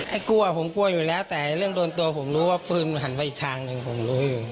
กลัวผมกลัวอยู่แล้วแต่เรื่องโดนตัวผมรู้ว่าปืนมันหันไปอีกทางหนึ่งผมรู้อยู่